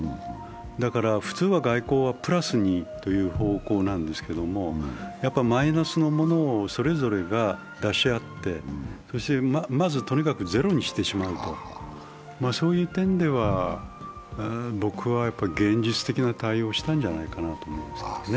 だから普通は外交はプラスにという方向なんですけれども、マイナスのものをそれぞれが出し合って、とにかくゼロにしてしまうと、そういう点では僕は現実的な対応をしたんじゃないかなと思いますね。